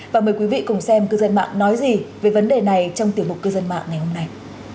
và mời quý vị cùng xem cư dân mạng nói gì về vấn đề này trong tiểu mục cư dân mạng ngày hôm nay